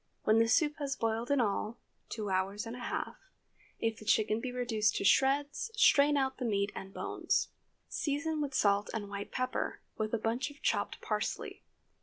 When the soup has boiled in all, two hours and a half, if the chicken be reduced to shreds, strain out the meat and bones. Season with salt and white pepper, with a bunch of chopped parsley.